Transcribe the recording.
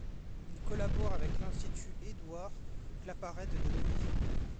Il collabore avec l’Institut Édouard-Claparède de Neuilly.